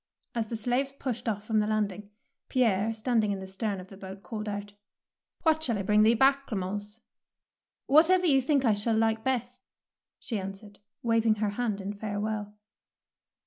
As the slaves pushed off from the landing, Pierre, standing in the stem of the boat, called out, — What shall I bring thee back, Clemence? "Whatever you think I shall like best," she answered, waving her hand in farewell.